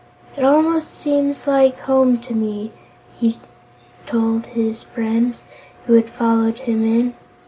"It seems almost like home to me," hie told his friends, who had followed him in.